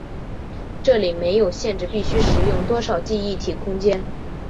这里没有限制必须使用多少记忆体空间。